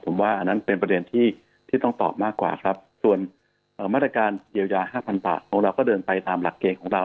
ผมว่าอันนั้นเป็นประเด็นที่ต้องตอบมากกว่าครับส่วนมาตรการเยียวยา๕๐๐บาทของเราก็เดินไปตามหลักเกณฑ์ของเรา